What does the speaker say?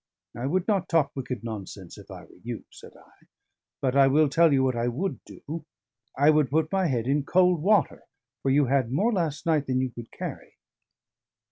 "I would not talk wicked nonsense if I were you," said I; "but I will tell you what I would do I would put my head in cold water, for you had more last night than you could carry."